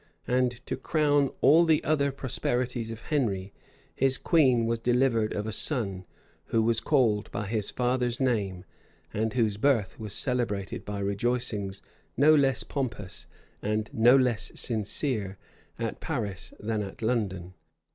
And to crown all the other prosperities of Henry, his queen was delivered of a son, who was called by his father's name, and whose birth was celebrated by rejoicings no less pompous, and no less sincere, at Paris than at London.